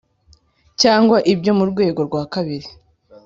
cyangwa ibyo mu rwego rwa kabiri.